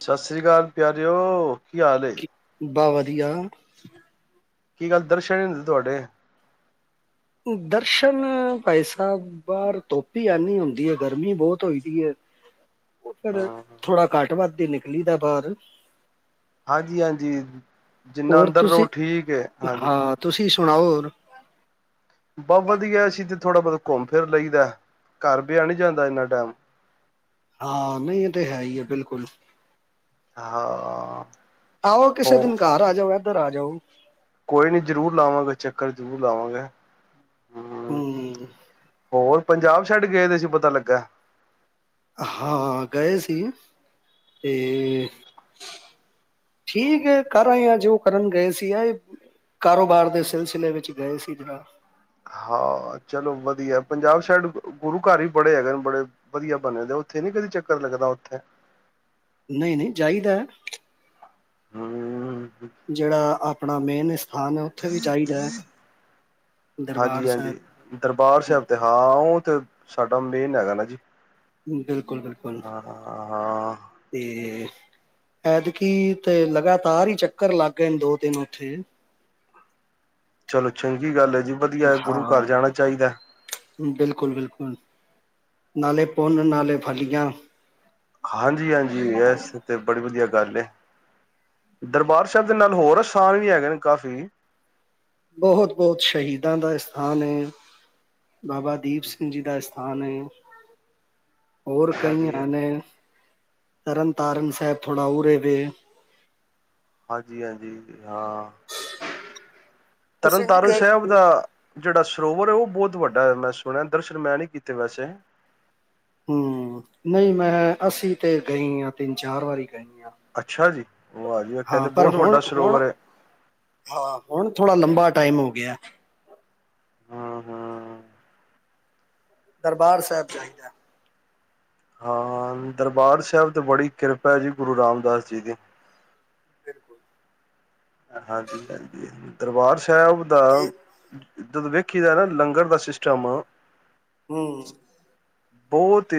ਸਤਿ ਸ੍ਰੀ ਅਕਾਲ ਪਿਆਰਓ ਬਾਹ ਵਧ ਧਆ ਕੀ ਗੱਲ ਦਰਸ਼ਨ ਨੀ ਹੁਣਦੇ ਤੁਹਾਡੇ ਦਰਸ਼ਨ ਭਾਈ ਸਾਹਿਬ ਬਾਹਰ ਧੋਪੀ ਆਨੀ ਹੁੰਦੀ ਹੈ ਗਰਮੀ ਬਹੁਤ ਹੋ ਦੀ ਹੈ ਉਹ ਫਿਰ ਥੋੜ੍ਹਾ ਘੱਟ ਵੱਧ ਹੀ ਨਿਕਲੀ ਦਾ ਬਾਹਰ ਹਾਂਜੀ ਹਾਂਜੀ ਜਿੰਨਾ ਹੋਰ ਅੰਦਰ ਰਹੋ ਤੁਸੀਂ ਠੀਕ ਹੈ ਹਾਂਜੀ ਹਾਂ ਤੁਸੀਂ ਸੁਣਾਓ ਬਹੁਤ ਵਧੀਆਂ ਥੋੜ੍ਹਾ ਬਹੁਤ ਘੁੰਮ ਫਿਰ ਲਈ ਦਾ ਘਰ ਬਿਹਾ ਨਹੀ ਜਾਂਦਾ ਇੰਨਾ ਟੈਮ ਹਾਂ ਨਹੀਂ ਇਹ ਤੇ ਹੈ ਹੀ ਹੈ ਬਿਲਕੁਲ ਹਾਂ ਆਓ ਕਿਸੇ ਹੋ ਦਿਨ ਘਰ ਆ ਜਾਓ ਐ ਉੱਧਰ ਆ ਜਾਊ ਕੋਈ ਨੀ ਜਰੂਰ ਲਾਵਾਂਗੇ ਚੱਕਰ ਜ਼ਰੂਰ ਲਾਵਾਂਗੇ ਹਮ ਹੋਰ ਪੰਜਾਬ ਛੱਡ ਗਏ ਦੇ ਸੀ ਪਤਾ ਲੱਗਾ। ਹਾਂ ਗਏ ਸੀ ਤੇ ਠੀਕ ਹੈ ਕਰ ਆਏ ਆ ਜੋ ਕਰਨ ਗਏ ਸੀ। ਆ ਕਾਰੋਬਾਰ ਦੇ ਸਿਲਸਿਲੇ ਵਿੱਚ ਗਏ ਸੀ ਜਰਾ ਆਹ ਚਲੋ ਵਧੀਆ ਪੰਜਾਬ ਸਾਈਡ ਗੁਰੂ ਘਰ ਵੀ ਬੜੇ ਹੈਗੇ ਨੇ ਬੜੇ ਵਧੀਆ ਬਣੇ ਦੇ ਉੱਥੇ ਨੀ ਕਦੇ ਚੱਕਰ ਲੱਗਦਾ ਉੱਥੇ ਨਹੀਂ ਨਹੀਂ ਜਾਈ ਦੇ ਹਮ ਜਿਹੜਾ ਆਪਣਾ ਮੇਨ ਸਥਾਨ ਹੈ ਉੱਥੇ ਵੀ ਚਾਹੀਦਾ ਹੈ ਦਰਬਾਰ ਹਾਂਜੀ-ਹਾਂਜੀ ਦਰਬਾਰ ਸਾਹਿਬ ਸਾਹਿਬ ਤੇ ਹਾਂ ਉਹ ਸਾਡਾ ਮੇਨ ਹੈਗਾ ਨਾ ਜੀ ਹੂੰ ਬਿਲਕੁਲ ਬਿਲਕੁਲ ਹਾਂ-ਹਾਂ ਤੇ। ਐਤਕੀ ਤੇ ਲਗਾਤਾਰ ਹੀ ਚੱਕਰ ਲੱਗ ਗਏ ਨੇ ਦੋ ਤਿੰਨ ਉੱਥੇ। ਚਲੋ ਚੰਗੀ ਗੱਲ ਹੈ। ਜੀ ਵਧੀਆ ਗੁਰੂ ਘਰ ਹਾਂ ਜਾਣਾ ਚਾਹੀਦਾ। ਬਿਲਕੁਲ ਬਿਲਕੁਲ ਨਾਲੇ ਪੁੰਨ ਨਾਲੇ ਫਲੀਆਂ। ਹਾਂਜੀ ਹਾਂਜੀ ਇਸ ਤੇ ਬੜੀ ਵਧੀਆ। ਗੱਲ ਹੈ ਦਰਬਾਰ ਸਾਹਿਬ ਦੇ ਨਾਲ ਹੋਰ ਅਸਥਾਨ ਵੀ ਹੈਗੇ ਨੇ ਕਾਫ਼ੀ। ਬਹੁਤ ਬਹੁਤ ਸ਼ਹੀਦਾਂ ਦਾ ਸਥਾਨ ਹੈ ਬਾਬਾ ਦੀਪ ਸਿੰਘ ਜੀ ਦਾ ਅਥਾਨ ਹੈ। ਹੋਰ ਕਈ ਹਾਂਜੀ ਆ ਨੇ। ਤਰਨ ਤਾਰਨ ਸਾਹਿਬ ਥੋੜਾ ਉਰੇ ਵੇ। ਹਾਂਜੀ ਹਾਂਜੀ। ਹਾਂ ਤੁਸੀਂ ਨਹੀਂ ਤਰਨਤਾਰਨ ਸਾਹਿਬ ਗਏ ਦਾ ਜਿਹੜਾ ਸਰੋਵਰ ਹੈ ਉਹ। ਬਹੁਤ ਵੱਡਾ ਮੈਂ ਸੁਣਿਆ ਦਰਸ਼ਨ ਮੈਂ ਨੀ ਕੀਤੇ ਵੈਸੇ। ਹੂੰ ਨਹੀਂ ਮੈਂ ਅਸੀਂ ਤੇ ਗਈ ਹਾਂ ਤਿੰਨ ਚਾਰ ਵਾਰੀ। ਗਈ ਆ ਅੱਛਾ ਜੀ। ਵਾਹ ਜੀ ਕਹਿੰਦੇ ਹਾਂ ਪਰ ਬਹੁਤ ਵੱਡਾ ਹੁਣ ਹੁਣ ਸਰੋਵਰ ਹੈ ਹਾਂ ਹੁਣ ਥੋੜ੍ਹਾ ਲੰਬਾ। ਟਾਈਮ ਹੋ ਗਿਆ। ਹੂੰ-ਹੂੰ ਦਰਬਾਰ ਸਾਹਿਬ ਜਾਈਦਾ ਹਾਂ ਦਰਬਾਰ ਸਾਹਿਬ ਤੇ ਬੜੀ ਕਿਰਪਾ ਹੈ ਜੀ ਗੁਰੂ ਰਾਮਦਾਸ ਜੀ ਦੀ। ਬਿਲਕੁਲ। ਹਾਂਜੀ ਹਾਂਜੀ ਦਰਬਾਰ ਸਾਹਿਬ। ਸਾਹਿਬ ਇਹ ਦਾ। ਜਦੋਂ ਵੇਖੀ ਦਾ ਨਾ ਲੰਗਰ ਦਾ ਸਿਸਟਮ। ਹੂੰ। ਬਹੁਤ ਹੀ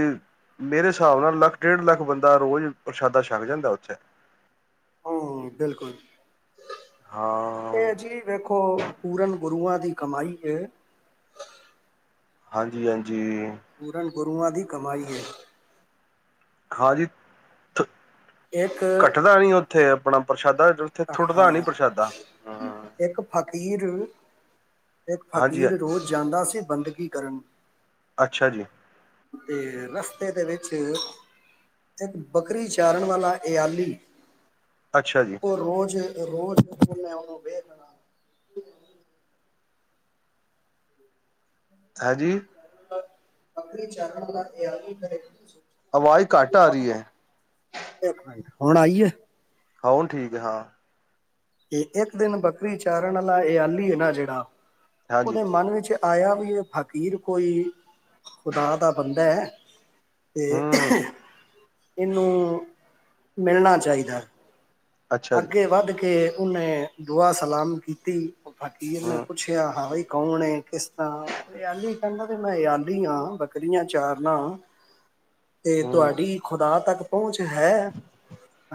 ਮੇਰੇ ਹਿਸਾਬ ਨਾਲ ਲੱਖ ਡੇਢ ਲੱਖ ਬੰਦਾ ਰੋਜ਼ ਪ੍ਰਸ਼ਾਦਾ ਛਕ ਜਾਂਦਾ ਉੱਥੇ। ਹੂੰ ਬਿਲਕੁਲ। ਹਾਂ ਇਹ ਜੀ ਵੇਖੋ ਪੂਰਨ। ਗੁਰੂਆਂ ਦੀ ਕਮਾਈ ਹੈ। ਹਾਂਜੀ ਹਾਂਜੀ। ਪੂਰਨ ਗੁਰੂਆਂ ਦੀ ਕਮਾਈ ਹੈ। ਹਾਂਜੀ। ਇੱਕ ਘਟਦਾ ਨੀ ਉੱਥੇ। ਆਪਣਾ ਪ੍ਰਸ਼ਾਦਾ। ਉੱਥੇ ਥੁੱਟਦਾ ਨੀ ਹਾਂ ਪ੍ਰਸ਼ਾਦਾ ਇੱਕ ਫ ਖ਼ੀਰ। ਇੱਕ ਹਾਂਜੀ ਫ਼ਕੀਰ ਰੋਜ਼ ਜਾਂਦਾ ਸੀ ਬੰਦਗੀ। ਕਰਨ। ਅੱਛਾ ਜੀ। ਤੇ ਰਸਤੇ ਦੇ ਵਿੱਚ ਇੱਕ ਬੱਕਰੀ ਚਾਰਨ ਵਾਲਾ ਅਯਾਲੀ। ਅੱਛਾ ਜੀ ਉਹ ਰੋਜ਼ ਉਹ ਰੋਜ਼ ਹਾਂਜੀ [unintelligible] ਬੱਕਰੀ ਚਾਰਨ ਵਾਲਾ ਅਯਾਲੀ [unintelligible] ਆਵਾਜ਼ ਘੱਟ ਆ ਰਹੀ ਐ। ਇੱਕ ਮਿੰਟ ਹੁਣ ਆਈਏ? ਹਾ ਹੁਣ ਠੀਕ ਹੈ, ਹਾਂ। ਇਹ ਇੱਕ ਦਿਨ ਬੱਕਰੀ ਚਾਰਨ ਆਲਾ ਅਯਾਲੀ ਐ ਨਾ ਜਿਹੜਾ ਹਾਂਜੀ ਉਹਦੇ ਮਨ ਵਿੱਚ ਆਇਆ ਵੀ ਇਹ ਫ਼ਕੀਰ ਕੋਈ ਖੁਦਾ ਦਾ ਬੰਦਾ ਹੈ ਤੇ ਹੂੰ ਇਹਨੂੰ ਮਿਲਣਾ ਚਾਹੀਦਾ। ਅੱਛਾ ਜੀ ਅੱਗੇ ਵੱਧ ਕੇ ਉਹਨੇ ਦੁਆ ਸਲਾਮ ਕੀਤੀ। ਫ਼ਕੀਰ ਨੂੰ ਹੂੰ ਪੁੱਛਿਆ ਹਾਂ ਬਾਈ ਕੌਣ ਏ? ਕਿਸ ਤਰ੍ਹਾਂ? ਅਯਾਲੀ ਕਹਿੰਦਾ ਕਿ ਮੈਂ ਅਯਾਲੀ ਹਾਂ। ਬੱਕਰੀਆਂ ਚਾਰਨਾ ਤੇ ਹੂੰ ਤੁਹਾਡੀ ਖੁਦਾ ਤੱਕ ਪਹੁੰਚ ਹੈ?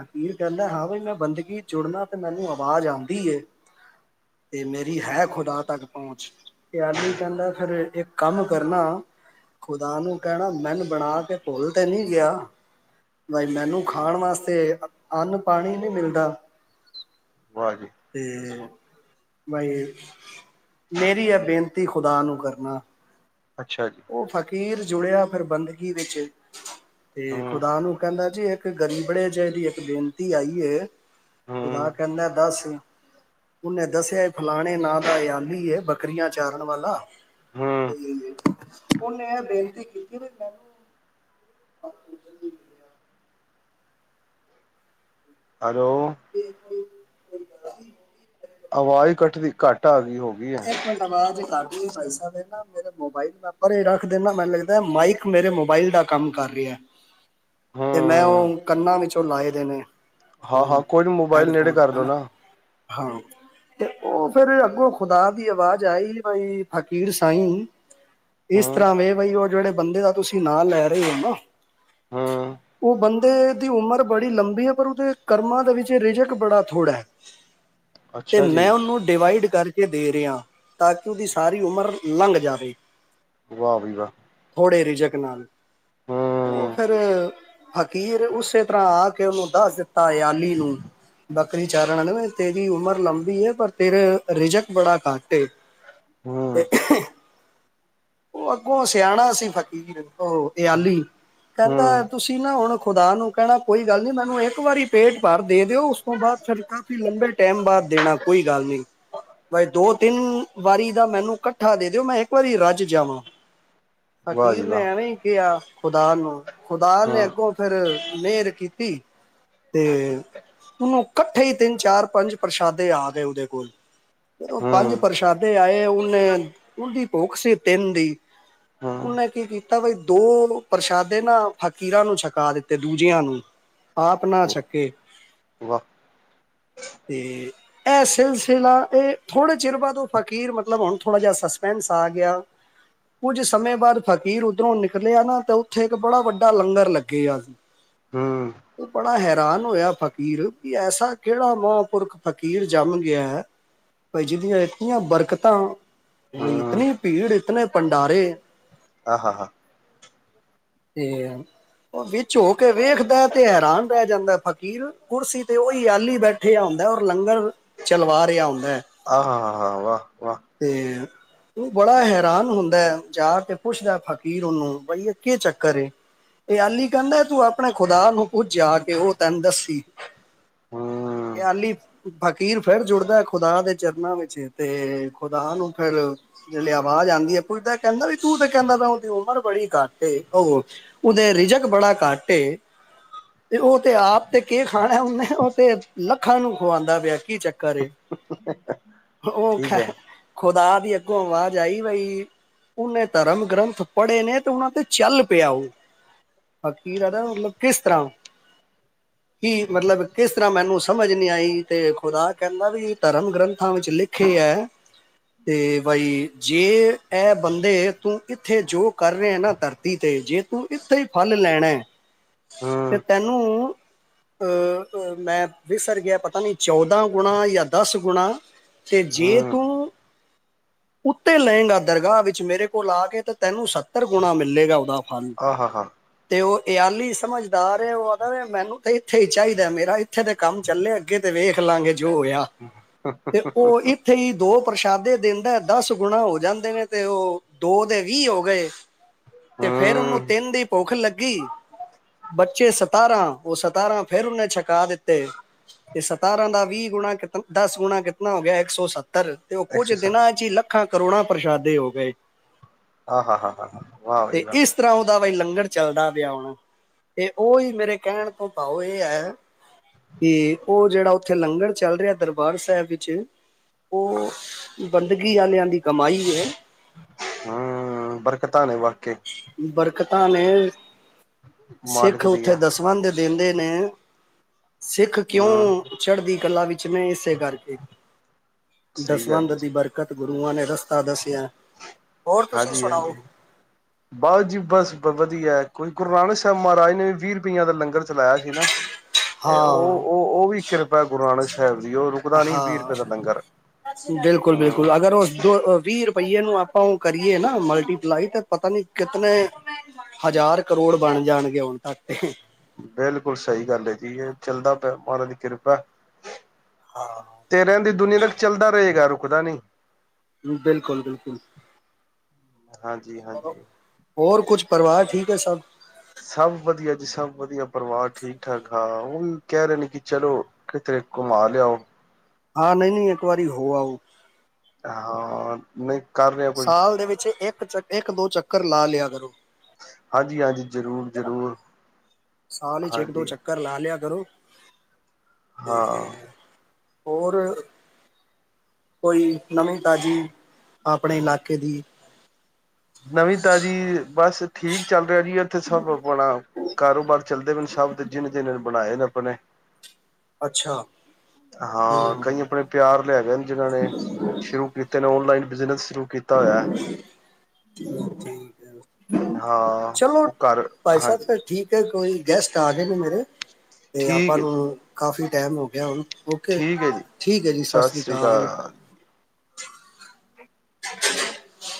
ਫ਼ਕੀਰ ਕਹਿੰਦਾ ਹਾਂ ਬਾਈ ਮੈਂ ਬੰਦਗੀ ਜੁੜਨਾ ਤੇ ਮੈਨੂੰ ਆਵਾਜ਼ ਆਉਂਦੀ ਏ ਤੇ ਮੇਰੀ ਹੈ ਖੁਦਾ ਤੱਕ ਪਹੁੰਚ। ਅਯਾਲੀ ਕਹਿੰਦਾ ਫਿਰ ਇੱਕ ਕੰਮ ਕਰਨਾ। ਖੁਦਾ ਨੂੰ ਕਹਿਣਾ ਮੈਨ ਬਣਾ ਕੇ ਭੁੱਲ ਤੇ ਨਹੀਂ ਗਿਆ। ਬਾਈ ਮੈਨੂੰ ਖਾਣ ਵਾਸਤੇ ਅੰਨ-ਪਾਣੀ ਵੀ ਨੀ ਪਰ [unintelligible] ਵਾਹ ਜੀ ਤੇ ਬਈ, ਮੇਰੀ ਐ ਬੇਨਤੀ ਖੁਦਾ ਨੂੰ ਕਰਨਾ ਅੱਛਾ ਜੀ ਉਹ ਫ਼ਕੀਰ ਜੁੜਿਆ ਫਿਰ ਬੰਦਗੀ ਵਿੱਚ ਤੇ ਹੂੰ ਖੁਦਾ ਨੂੰ ਕਹਿੰਦਾ ਜੀ ਇੱਕ ਇੱਕ ਗਰੀਬੜੇ ਜਿਹੇ ਦੀ ਇੱਕ ਬੇਨਤੀ ਆਈ ਹੈ। ਖੁਦਾ ਹੂੰ ਕਹਿੰਦਾ ਦੱਸ ਉਹਨੇ ਦੱਸਿਆ ਇਹ ਫਲਾਣੇ ਨਾਂ ਦਾ ਅਯਾਲੀ ਹੈ ਬੱਕਰੀਆਂ ਚਾਰਨ ਵਾਲਾ ਹੂੰ ਤੇ ਉਹਨੇ ਇਹ ਬੇਨਤੀ ਕੀਤੀ ਵੀ ਮੈਨੂੰ [unintelligible] ਲਿਆ ਹੈਲੋ ਕੋ ਗੱਲ [unintelligible] ਆਵਾਜ਼ ਕਟਦੀ ਘੱਟ ਆ ਗਈ ਹਹੋ ਇੱਕ ਮਿੰਟ ਆਵਾਜ਼ ਘੱ ਮੇਰੇ ਮੋਬਾਇਲ ਮ ਪਰੇ ਰੱਖ ਦੇਨਾ ਮੈਨੂੰ ਲੱਗਦਾ ਮਾਈਕ ਮੇਰੇ ਮੋਬਾਇਲ ਦਾ ਕੰਮ ਕਰ ਰਿਹਾ ਤੇ ਮੈਂ ਉਹ ਕੰਨਾਂ ਵਿੱਚੋਂ ਉਹ ਲਾਏ ਦੇ ਨੇ ਉਹ ਹਾਂ-ਹਾਂ ਕੋਈ ਨੀ ਮੋਬਾਇਲ ਨੇੜੇ ਹੈਡਫੋਨ ਕਰ ਲੋ ਹੈਨਾ ਨਾ। ਹਾਂ ਉਹ ਫੇਰ ਅੱਗੋਂ ਖੁਦਾ ਦੀ ਆਵਾਜ਼ ਆਈ ਬਈ ਫ਼ਕੀਰ ਸਾਈ, ਇਸ ਹੂੰ, ਤਰ੍ਹਾਂ ਵੇ ਬਈ ਉਹ ਜਿਹੜੇ ਬੰਦੇ ਦਾ ਤੁਸੀਂ ਨਾਂ ਲੈ ਰਹੇ ਹੋ ਨਾ। ਹੂੰ, ਉਹ ਬੰਦੇ ਦੀ ਉਮਰ ਬੜੀ ਲੰਬੀ ਹੈ ਪਰ ਉਹਦੇ ਕਰਮਾਂ ਦੇ ਵਿੱਚ ਰਿਜਕ ਬੜਾ ਥੋੜ੍ਹਾ ਹੈ। ਤੇ ਅੱਛਾ ਜੀ, ਮੈਂ ਉਹਨੂੰ ਡਿਵਾਈਡ ਕਰ ਇਹ ਦੇ ਰਿਹਾ ਤਾਂ ਕਿ ਉਹਦੀ ਸਾਰੀ ਉਮਰ ਲੰਘ ਜਾਵੇ। ਵਾਹ ਬਈ ਵਾਹ- ਬੜੇ ਰਿਜਕ ਨਾਲ ਉਹ ਹੂੰ, ਫੇਰ ਫ਼ਕੀਰ ਉਸੇ ਤਰ੍ਹਾਂ ਆ ਕੇ ਉਹਨੂੰ ਦੱਸ ਦਿੱਤਾ ਅਯਾਲੀ ਨੂੰ ਬੱਕਰੀ ਚਾਰਨ ਆਲੇ ਨੇ ਤੇਰੀ ਉਮਰ ਲੰਬੀ ਹੈ ਪਰ ਤੇਰੇ ਰਿਜਕ ਬੜਾ ਘੱਟ ਏ ਤੇ ਹੂੰ, ਉਹ ਅੱਗੋਂ ਸਿਆਣਾ ਸੀ ਫਕੀਰ, ਉਹ ਅਯਾਲੀ ਕਹਿੰਦਾ ਹੂੰ, ਤੁਸੀਂ ਨਾ ਹੁਣ ਖੁਦਾ ਨੂੰ ਕਹਿਣਾ, ਕੋਈ ਗੱਲ ਨਹੀਂ ਮੈਨੂੰ ਇੱਕ ਵਾਰੀ ਪੇਟ ਭਰ ਦੇ ਦਿਓ। ਉਸ ਤੋਂ ਬਾਅਦ ਫਿਰ ਕਾਫ਼ੀ ਲੰਬੇ ਟਾਈਮ ਬਾਅਦ ਦੇਣਾ ਕੋਈ ਗੱਲ ਨੀ ਬਈ ਦੋ-ਤਿੰਨ ਵਾਰੀ ਦਾ ਮੈਨੂੰ ਕੱਠਾ ਦੇ ਦਿਓ ਮੈਂ ਇੱਕ ਵਾਰੀ ਰੱਜ ਜਾਵਾਂ। ਵਾਹ ਫ਼ਕੀਰ ਜੀ ਨੇ ਵਾਹ। ਐਵੇਂ ਹੀ ਕਿਹਾ ਖੁਦਾ ਨੂੰ। ਖੁਦਾ ਨੇ ਹੂੰ, ਅੱਗੋਂ ਫਿਰ ਮਿਹਰ ਕੀਤੀ, ਤੇ ਉਨੂੰ ਇਕੱਠੇ ਤਿੰਨ-ਚਾਰ-ਪੰਜ ਪ੍ਰਸ਼ਾਦੇ ਆ ਗਏ ਉਹਦੇ ਕੋਲ। ਜਦੋਂ ਪੰਜ ਹੂੰ, ਪ੍ਰਸ਼ਾਦੇ ਆਏ, ਉਹਨੇ ਉਹਦੀ ਭੁੱਖ ਸੀ ਤਿੰਨ ਦੀ, ਹੂੰ, ਉਹਨੇ ਕੀ ਕੀਤਾ ਦੋ ਪ੍ਰਸ਼ਾਦੇ ਨਾ, ਫ਼ਕੀਰਾਂ ਨੂੰ ਛਕਾ ਦਿੱਤੇ ਦੂਜਿਆਂ ਨੂੰ, ਆਪ ਨਾ ਛੱਕੇ ਵਾਹ, ਤੇ ਇਹ ਸਿਲਸਿਲਾ ਇਹ ਥੋੜੇ ਚਿਰ ਬਾਅਦ ਉਹ ਫ਼ਕੀਰ ਮਤਲਬ ਹੁਣ ਥੋੜ੍ਹਾ ਜਿਹਾ ਸਸਪੈਂਸ ਆ ਗਿਆ, ਕੁੱਝ ਸਮੇਂ ਬਾਅਦ ਫ਼ਕੀਰ ਉੱਧਰੋਂ ਨਿਕਲਿਆ ਨਾ ਤੇ, ਉੱਥੇ ਇੱਕ ਬੜਾ ਵੱਡਾ ਲੰਗਰ ਲੱਗੇ ਆ ਸੀ। ਹੂੰ, ਉਹ ਬੜਾ ਹੈਰਾਨ ਹੋਇਆ ਫਕੀਰ ਵੀ, ਐਸਾ ਕਿਹੜਾ ਮਹਾਂਪੁਰਖ ਫ਼ਕੀਰ ਜੰਮ ਗਿਆ ਹੈ। ਭਾਈਜੀ ਦੀਆਂ ਇਤੀਆਂ ਬਰਕਤਾਂ। ਵ ਹੂੰ। ਇਤਨੀ ਭੀੜ ਇਤਨ ਭੰਡਾਰੇ। ਆਹ ਹਾਂ ਹਾਂ [inaudible] ਤੇ ਉਹ ਵਿੱਚ ਹੋ ਕੇ ਵੇਖਦਾ ਤੇ ਹੈਰਾਨ ਰਹਿ ਜਾਂਦਾ ਫ਼ਕੀਰ, ਕੁਰਸੀ ਤੇ ਉਹੀ ਆਲੀ ਬੈਠਿਆ ਹੁੰਦਾ, ਔਰ ਲੰਗਰ ਚਲਵਾ ਰਿਹਾ ਹੁੰਦਾ ਹੈ। ਆਹ ਹਾਂ ਹਾਂ ਹਾਂ। ਤੇ ਤੂੰ ਬੜਾ ਹੈਰਾਨ ਹੁੰਦਾ, ਜਾ ਕੇ ਪੁੱਛਦਾ ਫ਼ਕੀਰ ਉਹਨੂੰ, ਬਈਆ ਕੀ ਚੱਕਰ ਏ, ਇਹ ਅਲੀ ਕਹਿੰਦਾ ਤੂੰ ਆਪਣੇ ਖੁਦਾ ਨੂੰ ਪੁੱਛ ਜਾ ਕੇ, ਉਹ ਤੈਨੂੰ ਦੱਸੀ ਹੂੰ, ਇਹ ਅਲੀ ਫਕੀਰ ਫਿਰ ਜੁੜਦਾ ਖੁਦਾ ਦੇ। ਚਰਨਾਂ ਵਿੱਚ ਤੇ ਖੁਦਾ ਨੂੰ ਫਿਰ ਜਿਹੜੇ ਆਵਾਜ਼ ਆਉਂਦੀ ਹੈ। ਪੁੱਛਦਾ ਕਹਿੰਦਾ ਵੀ ਤੂੰ ਤੇ ਕਹਿੰਦਾ ਵਾ, ਉਹਦੀ ਉਮਰ ਬੜੀ ਘੱਟ ਏ, ਉਹ ਉਹਹਦੇ ਰਿਜਕ ਬੜਾ ਘੱਟ ਏ ਤੇ ਉਹ ਤੇ ਆਪ ਤੇ ਕੇ ਖਾਣਾ, ਉਹਨੇ ਉਹ ਤੇ ਲੱਖਾਂ ਨੂੰ ਖਵਾਉਦਾ ਪਿਆ। ਕੀ ਚੱਕਰ ਏ। ਉਹ ਠੀਕ ਐ। [inaudible] ਖੁਦਾ ਦੀ ਅੱਗੋਂ ਆਵਾਜ਼ ਆਈ, ਬਈ ਉਹਨੇ ਧਰਮ ਗ੍ਰੰਥ ਪੜ੍ਹੇ ਨੇ, ਤੇ ਉਹਨਾਂ ਤੇ ਚੱਲ ਪਿਆ ਉਹ, ਹਕੀਰਦਾ ਮਤਲਬ ਕਿਸ ਤਰ੍ਹਾਂ ਕੀ ਮਤਲਬ ਕਿਸ ਤਰ੍ਹਾਂ ਮੈਨੂੰ ਸਮਝ ਨਹੀਂ ਆਈ, ਤੇ ਖੁਦਾ ਕਹਿੰਦਾ ਵੀ ਧਰਮ ਗ੍ਰੰਥ ਥਾਂ ਵਿੱਚ ਲਿਖੇ ਹੈ, ਤੇ ਬਾਈ ਜੇ ਇਹ ਬੰਦੇ ਤੂੰ ਇੱਥੇ ਜੋ ਕਰ ਰਹੇ ਨਾ ਧਰਤੀ ਤੇ, ਜੇ ਤੂੰ ਇੱਥੇ ਹੀ ਫਲ ਲੈਣਾ, ਹੈ ਤੇ ਹੂੰ, ਤੈਨੂੰ ਅਹ ਮੈਂ ਵਿਸਰ ਗਿਆ ਪਤਾ ਨੀ ਚੌਦਾਂ ਗੁਣਾ, ਜਾਂ ਦਸ ਗੁਣਾ ਤੇ ਜੇ ਹੂੰ, ਤੂੰ ਉੱਤੇ ਲਏਗਾ ਦਰਗਾਹ ਵਿੱਚ ਮੇਰੇ ਕੋਲ ਆ ਕੇ, ਤਾਂ ਤੈਨੂੰ ਸੱਤਰ ਗੁਣਾ ਮਿਲੇਗਾ। ਉਹਦਾ ਫਲ ਆਹ ਹੋ ਹੋ [inaudible] ਤੇ ਉਹ ਇਹ ਆਲੀ ਸਮਝਦਾਰ ਏ, ਉਹ ਆਦਾ ਮੈਨੂੰ ਤੇ ਇੱਥੇ ਚਾਹੀਦਾ, ਮੇਰਾ ਇੱਥੇ ਤੇ ਕੰਮ ਚੱਲੇ ਅੱਗੇ ਤੇ ਵੇਖ ਲਾਂਗੇ ਜੋ ਹੋਇਆ। ਤੇ ਉਹ ਇੱਥੇ ਹੀ ਦੋ ਪ੍ਰਸ਼ਾਦੇ ਦਿੰਦਾ ਦਸ ਗੁਣਾ ਹੋ ਜਾਂਦੇ ਨੇ, ਤੇ ਉਹ ਦੋ ਦੇ ਵੀਹ ਹੋ ਗਏ। ਤੇ ਫੇਰ ਉਹਨੂੰ ਹੂੰ, ਤਿੰਨ ਦੀ ਭੁੱਖ ਲੱਗੀ, ਬੱਚੇ ਸਤਾਰਾਂ ਉਹ ਸਤਾਰਾਂ ਫੇਰ ਉਹਹਨੇ ਛਕਾ ਦਿੱਤੇ, ਤੇ ਸਤਾਰਾਂ ਦਾ ਵੀਹ ਗੁਣਾਤ ਦਸ ਗੁਣਾ ਕਿਤਨਾ ਹੋ ਗਿਆ? ਇੱਕ ਸੌ ਸੱਤਰ। ਅਤੇ ਉਹ ਕੁ 'ਚ ਐਕਸਰਸਾਈ ਦੇਣਾ ਹੈ ਜੀ ਲੱਕ [inaudible] ਲੱਖਾਂ, ਕਰੋੰੜਾਂ ਪ੍ਰਸ਼ਾਦੇ ਹੋ ਗਏ। ਆਹ ਹਾਂ ਹਾਂ ਹਾਂ ਵਾਹ ਵਾਹ ਤੇ [inaudible] ਇਸ ਤਰ੍ਹਾਂ ਉਹਦਾ ਬਾਈ ਲੰਗਰ ਚੱਲਦਾ ਪਿਆ ਹੁਣ, ਤੇ ਉਹੀ ਮੇਰੇ ਕਹਿਣ ਤੋਂ ਭਾਓ ਇਹ ਹੈ ਕਿ, ਉਹ ਜਿਹੜਾ ਉੱਥੇ ਲੰਗਰ ਚੱਲ ਰਿਹਾ, ਦਰਬਾਰ ਸਾਹਿਬ। ਉਹ ਬੰਦਗੀ ਵਾਲਿਆਂ ਦੀ ਕਮਾਈ ਏ। ਹੂੰ, ਬਰਕਤਾਂ ਨੇ। ਵ ਬਰਕਤ। ਹਾਲ [inaudible] ਸਿੱਖ ਮਾਲਕ ਉੱਥੇ ਦੀਆਂ ਦਸਵੰਦ ਦਿਨਦੇ। ਨੇ ਸਿੱਖ ਹੂੰ, ਕਿਉਂ ਚੜ੍ਹਦੀ ਕਲਾ ਵਿੱਚ ਨੇ, ਇਸੇ ਕਰਕੇ। ਸਹੀ ਗੱਲ ਦਸਵੰਧ ਦੀ ਜੀ। ਬਰਕਤ, ਗੁਰੂਆਂ ਨੇ ਰਸ ਸ ਦੱਸੀਆਂ [inaudible] ਹੋਰ, ਤੁਸੀਂ ਸੁਣਾਓ। ਬਾਜੀ ਬਸ ਵਧੀਆ, ਗੁਰੂ ਨਾਨਕ ਸਾਹਿਬ ਮਹਾਰਾਜ ਨੇ ਵੀ, ਵੀਹ ਰੁਪਈਆ ਦਾ ਲੰਗਰ ਚਲਾਇਆ ਸੀ ਨਾ? ਉਹ, ਹਾਂ ਉਹ, ਉਹ ਵੀ ਕਿਰਪਾ ਗੁਰੂ ਨਾਨਕ ਸਾਹਿਬ ਦੀ। ਉਹ ਰੁਕਦਾ ਨੀ ਵੀਹ ਹਾਂ ਰੁਪਏ ਦਾ ਲੰਗਰ। ਬਿਲਕੁਲ -ਬਿਲਕੁਲ ਹੂੰ, ਅਗਰ ਉਹ ਦੋ ਵੀਹ ਰੁਪਈਏ ਨੂੰ ਆਪਾਂ ਉਹ ਕਰੀਏ ਨਾ ਮਲਟੀਪਲਾਈ, ਤਾਂ ਪਤਾ ਨੀ ਕਿਤਨ ਹਜ਼ਾਰ ਕਰੋੜ ਬਣ ਜਾਣਗੇ ਹੁਣ ਤੱਕ ਤੇ। ਬਿਲਕੁਲ ਸਹੀ ਗੱਲ ਹੈ ਜੀ, ਇਹ ਚੱਲਦਾ ਪਿਆ ਮਹਾਰਾਜ ਦੀ ਕਿਰਪੈ। ਹਾਂ [inaudible] ਦੁਨੀਆਂ ਤੱਕ ਚੱਲਦਾ ਰਹੇਗਾ, ਰੁਕਦਾ ਨਹੀਂ। ਬਿਲਕੁਲ- ਬਿਲਕੁਲ। ਹਾਂਜੀ, ਹਾਂਜੀ। ਹੋਰ ਕੁਛ ਪਰਿਵਾਰ ਠੀਕ ਹੈ ਸਭ। ਸਭ ਵਧੀਆ ਜੀ ਸਭ ਵਧੀਆ, ਪਰਿਵਾਰ ਠੀਕ ਠਾਕ ਹਾਂ ਉਹ ਵੀ ਕਹਿ ਰਹੇ ਨੇ, ਕਿ ਚਲੋ ਕਿਤੇ ਘੁੰਮਾ ਲਿਆਓ। ਹਾਂ ਨਹੀਂ-ਨਹੀਂ ਇੱਕ ਵਾਰੀਂ ਹੋ ਆਓ। ਹਾਂ, ਨਹੀਂ ਕਰ ਰਿਹਾ ਕੋਈ ਸਾਲ ਦੇ ਵਿੱਚ ਇੱਕ ਵਿੱਚ ਇੱਕ ਦੋ ਚੱਕਰ ਲਾ ਲਿਆ ਕਰੋ। ਹਾਂਜੀ-ਹਾਂਜੀ। ਸਾਲ ਵਿਚ ਇੱਕ ਦੋ ਹਾਂਜੀ ਚੱਕਰ ਲਾ ਲਿਆ ਕਰੋ। ਤੇ ਹਾਂ ਹੋਰ ਕੋਈ ਨਵੀਂ ਤਾਜ਼ੀ ਆਪਣੇ ਇਲਾਕੇ ਦੀ। ਨਵੀਂ ਤਾਜ਼ੀ ਬਸ ਠੀਕ ਚੱਲ ਕੈਰੀ ਇੱਥੇ ਸਭ ਆਪਣਾ ਕਾਰੋਬਾਰ ਚੱਲਦੇ ਨੇ ਸਭ ਤੇ ਜਿਹਨੇ ਜਿੰਨ ਬਣਾਏ ਰੱਬ ਨੇ ਅੱਛਾ। ਹਾਂ ਕਈ ਹਮ ਆਪਣੇ ਪਿਆਰ ਲੈ ਗਏ ਨੇ, ਜਿਨ੍ਹਾਂ ਨੇਂ ਸ਼ੁਰੂ ਕੀਤੇ ਨੇਂ ਔਨਲਾਇਨ ਬਿਜ਼ਨਸ ਨੂੰ ਕੀ ਕੀਤਾ ਹੋਇਆਂ। ਠੀਕ ਠੀਕ ਹੈ ਹਾਂ, ਚਲੋ ਉਹ ਕਾਰਨ ਭਾਈ ਸਾਹਿਬ ਹਾਂਜੀ। ਫਿਰ ਠੀਕ ਹੈ ਕੋਈ ਗੈਸਟ ਆ ਗਏ ਨੇਂ ਮੇਰੇ ਤੇ ਆਪਾਂ ਠੀਕ ਹੈ ਨੂੰ ਕਾਫ਼ੀ ਟਾਇਮ ਹੋ ਗਿਆਂ ਹੁਣ ਓਕੇ ਠੀਕ ਹੈ ਜੀ ਠੀਕ ਹੈਂ ਜੀ‌, ਸਸ ਸਤਿ ਰੀ ਸ੍ਰੀ ਕਾਲ। ਅਕਾਲ [inaudible]